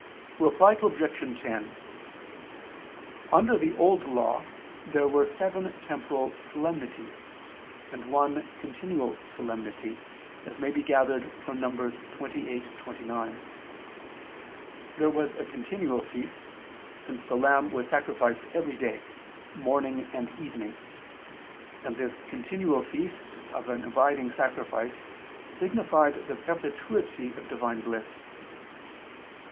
Reply Obj. 10: Under the Old Law there were seven temporal solemnities, and one continual solemnity, as may be gathered from Num. 28, 29. There was a continual feast, since the lamb was sacrificed every day, morning and evening: and this continual feast of an abiding sacrifice signified the perpetuity of Divine bliss.